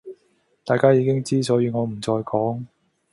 大家已經知,所以我唔再講